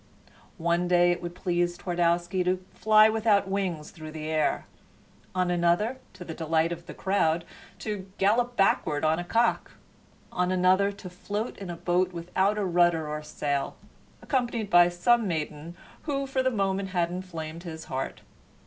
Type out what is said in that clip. One day it would please Twardowski to fly without wings through the air; on another, to the delight of the crowd, to gallop backward on a cock; on another to float in a boat without a rudder or sail, accompanied by some maiden who for the moment had inflamed his heart.